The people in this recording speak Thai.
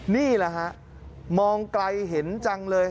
มาร์ลว์ไฮร์ไหวเห็นจังเลย